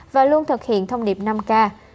và luôn thực hiện thông điệp năm k